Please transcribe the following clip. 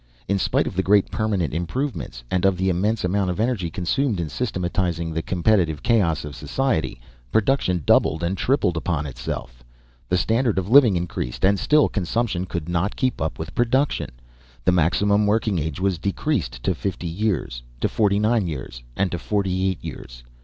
In spite of the great permanent improvements and of the immense amount of energy consumed in systematizing the competitive chaos of society, production doubled and tripled upon itself. The standard of living increased, and still consumption could not keep up with production. The maximum working age was decreased to fifty years, to forty nine years, and to forty eight years.